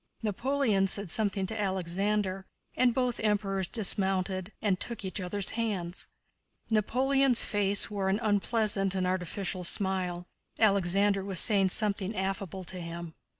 Napoleon said something to Alexander, and both Emperors dismounted and took each other's hands. Napoleon's face wore an unpleasant and artificial smile. Alexander was saying something affable to him.